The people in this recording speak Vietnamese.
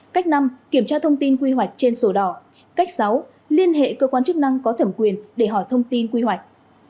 cách sáu liên hệ cơ quan chức năng có thẩm quyền để hỏi thông tin quy hoạch